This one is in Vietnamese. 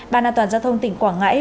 ban an toàn giao thông tỉnh quảng ngãi